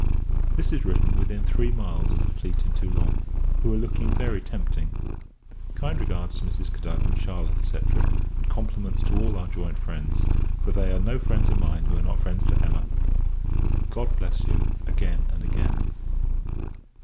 This is written within three miles of the fleet in Toulon, who are looking very tempting. Kind regards to Mrs. Cadogan, Charlotte, &c. and compliments to all our joint friends; for they are no friends of mine, who are not friends to Emma. God bless you, again and again!